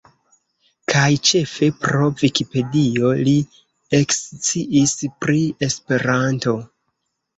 Kaj ĉefe pro Vikipedio li eksciis pri Esperanto.